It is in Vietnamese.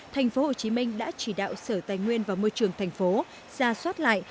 thành phố hồ chí minh đã chỉ đạo sở tài nguyên và môi trường thành phố ra soát lại